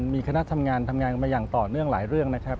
มีคณะทำงานทำงานกันมาอย่างต่อเนื่องหลายเรื่องนะครับ